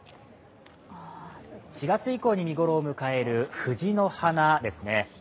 ４月以降に見頃を迎える藤の花ですね。